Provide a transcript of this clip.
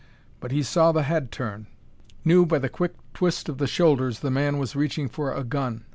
But he saw the head turn; knew by the quick twist of the shoulders the man was reaching for a gun.